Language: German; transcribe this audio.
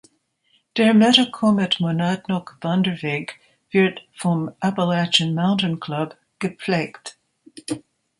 Der Metacomet-Monadnock-Wanderweg wird vom "Appalachian Mountain Club" gepflegt.